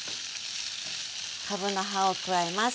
かぶの葉を加えます。